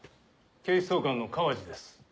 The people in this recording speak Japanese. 警視総監の川路です。